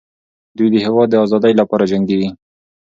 دوی د هېواد د ازادۍ لپاره جنګېږي.